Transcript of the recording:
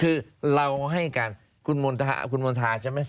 คือเราให้การคุณมณฑาคุณมณฑาใช่ไหม